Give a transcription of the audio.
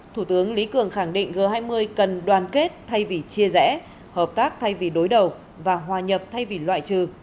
thủ tướng lý cường khẳng định g hai mươi cần đoàn kết thay vì chia rẽ hợp tác thay vì đối đầu và hòa nhập thay vì loại trừ